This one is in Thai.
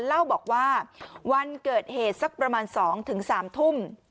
เล่าบอกว่าวันเกิดเหตุสักประมาณ๒๓ทุ่ม